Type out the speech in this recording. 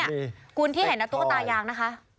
นี่คุณที่เห็นนะตุ๊กตายางนะคะ